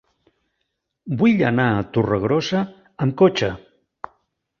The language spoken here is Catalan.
Vull anar a Torregrossa amb cotxe.